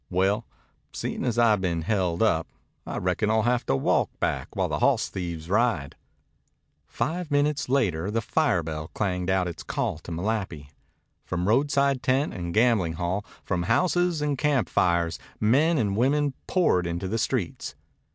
"Well, seein' as I been held up, I reckon I'll have to walk back while the hawss thieves ride." Five minutes later the fire bell clanged out its call to Malapi. From roadside tent and gambling hall, from houses and camp fires, men and women poured into the streets.